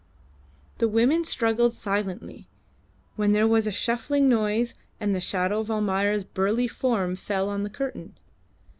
The women struggled silently, when there was a shuffling noise and the shadow of Almayer's burly form fell on the curtain.